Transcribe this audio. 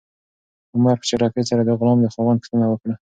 عمر په چټکۍ سره د غلام د خاوند پوښتنه وکړه.